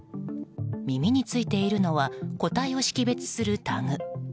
耳についているのは個体を識別するタグ。